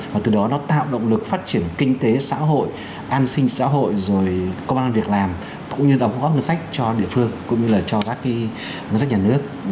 và từ đó nó tạo động lực phát triển kinh tế xã hội an sinh xã hội rồi công an việc làm cũng như đóng góp ngân sách cho địa phương cũng như là cho các ngân sách nhà nước